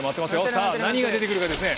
さあ何が出てくるかですね。